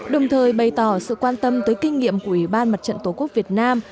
đồng thời bày tỏ sự quan tâm tới kinh nghiệm của ủy ban mặt trận tổ quốc việt nam